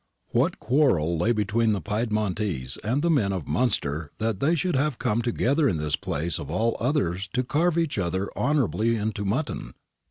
What quarrel lay between the Piedmontese and the men of Munster that they should have come together in this place of all others to carve each other honourably into mutton